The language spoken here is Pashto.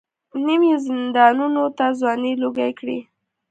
نیم یې زندانونو ته ځوانۍ لوګۍ کړې.